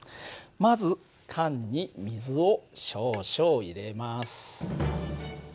まず缶に水を少々入れます。